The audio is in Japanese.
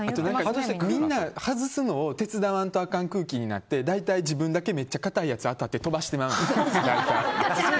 みんな外すのを手伝わなあかん空気になって大体、自分だけめっちゃ固いやつが当たって飛ばしてまうねん。